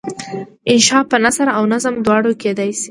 انشأ په نثر او نظم دواړو کیدای شي.